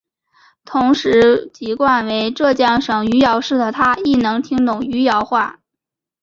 同时籍贯为浙江省余姚市的她亦能听懂余姚话。